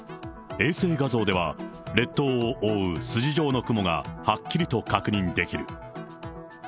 衛星画像では列島を覆う筋状の雲がはっきりと確認できる。